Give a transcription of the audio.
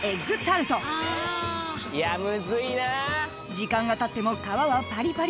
［時間がたっても皮はパリパリ。